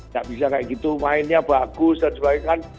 gak bisa kayak gitu mainnya bagus dan sebagainya kan